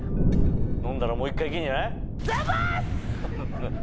飲んだらもう１回いけんじゃない？